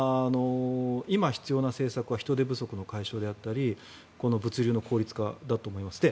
今、必要な政策は人手不足の解消であったり物流の効率化だと思います。